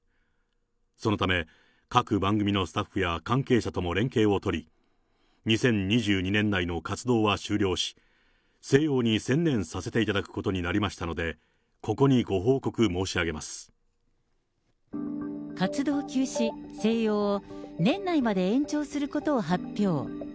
そのため各番組のスタッフや、関係者とも連携を取り、２０２２年内の活動は終了し、静養に専念させていただくことになりましたので、ここにご報告申活動休止、静養を年内まで延長することを発表。